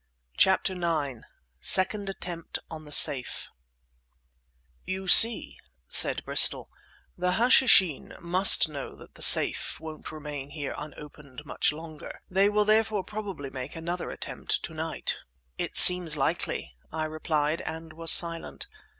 CHAPTER IX SECOND ATTEMPT ON THE SAFE "You see," said Bristol, "the Hashishin must know that the safe won't remain here unopened much longer. They will therefore probably make another attempt to night." "It seems likely," I replied; and was silent.